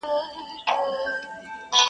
دریم لوری یې د ژوند نه دی لیدلی -